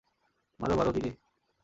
মারো, মারো, কিজি।